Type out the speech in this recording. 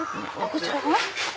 こちらが。